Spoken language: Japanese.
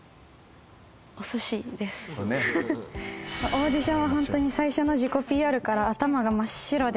「オーディションはホントに最初の自己ＰＲから頭が真っ白で」